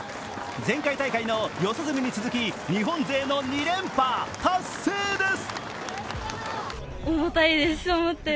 前回大会の四十住に続き日本勢の２連覇達成です。